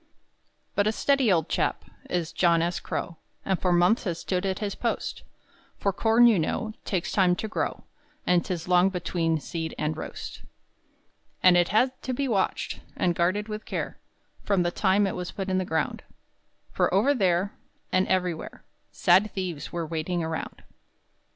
But a steady old chap Is John S. Crow, And for months has stood at his post; For corn you know Takes time to grow, And 'tis long between seed and roast. And it had to be watched And guarded with care From the time it was put in the ground, For over there, And everywhere, Sad thieves were waiting around.